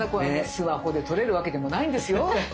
スマホで撮れるわけでもないんですよ。